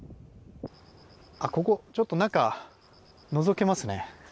ここ、ちょっと中のぞけますね。